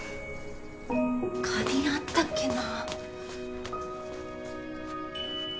花瓶あったっけな。